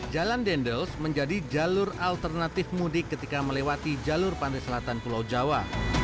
jalan dendels menjadi jalur alternatif mudik ketika melewati jalur pantai selatan pulau jawa